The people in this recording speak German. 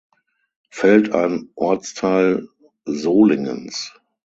Feld ein Ortsteil Solingens.